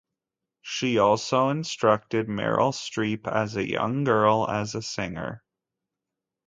She also instructed Meryl Streep as a young girl as a singer.